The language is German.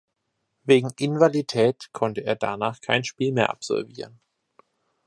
Wegen Invalidität konnte er danach kein Spiel mehr absolvieren.